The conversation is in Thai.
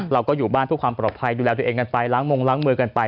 เราก็อยู่บ้านเพื่อความปลอดภัยดูแลตัวเองกันไปล้างมงล้างมือกันไป